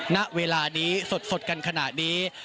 ณเวลานี้สดกันขนาดนี้